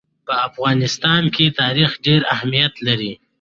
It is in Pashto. په افغانستان کې تاریخ ډېر اهمیت لري.